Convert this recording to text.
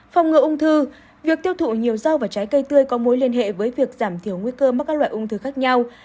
phòng ngừa ung thư việc tiêu thụ nhiều rau và trái cây tươi có mối liên hệ với việc giảm thiểu nguy cơ mắc các loại ung thư khác nhau